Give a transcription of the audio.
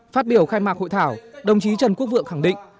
phát biểu khai mạc hội thảo đồng chí trần quốc vượng khẳng định